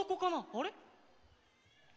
あれ？